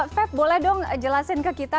fap boleh dong jelasin ke kita